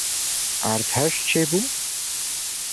Erdhej çêbû?